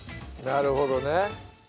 なるほどね。